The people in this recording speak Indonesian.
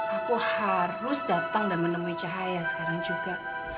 aku harus datang dan menemui cahaya sekarang juga